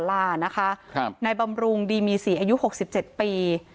สาลานะคะครับนายบำรุงดีมีสี่อายุหกสิบเจ็ดปี